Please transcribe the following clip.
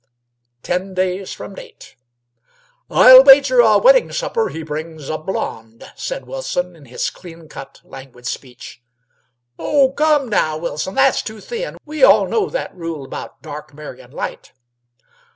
"Ten days from date." "I'll wager a wedding supper he brings a blonde," said Wilson, in his clean cut, languid speech compelling attention. "Oh, come, now, Wilson; that's too thin! We all know that rule about dark marryin' light."